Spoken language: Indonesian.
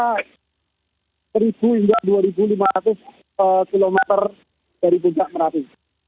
sekitar seribu hingga dua lima ratus km dari puncak merapi